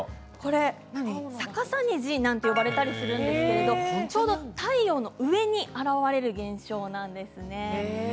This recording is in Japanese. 逆さ虹なんて呼ばれたりしますがちょうど太陽の上に現れる現象なんですね。